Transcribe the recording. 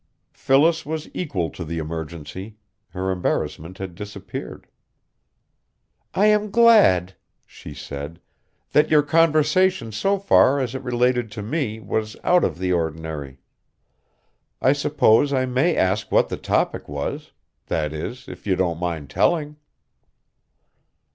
Phyllis was equal to the emergency; her embarrassment had disappeared. "I am glad," she said, "that your conversation so far as it related to me was out of the ordinary. I suppose I may ask what the topic was that is, if you don't mind telling."